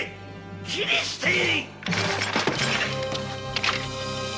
斬り捨てい！